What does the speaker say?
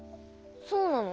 そうなの？